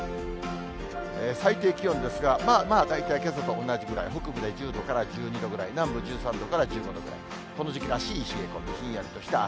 最低気温ですが、まあまあ大体けさと同じぐらい、北部で１０度から１２度ぐらい、南部１３度から１５度ぐらい、この時期らしい冷え込み、ひんやりとした朝。